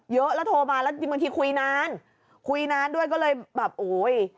เยอะแล้วโทรมาแล้วบางทีคุยนานคุยนานด้วยก็เลยแบบโอ้ย